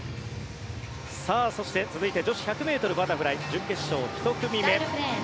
そして、続いて女子１００ｍバタフライ準決勝１組目。